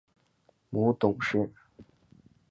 母董氏。